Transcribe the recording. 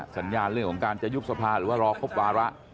สัญญาณเรื่องของการจะยุบสภาหรือว่ารอครบวาระ